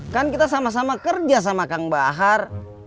kan kita sama sama kerja sama kang bahar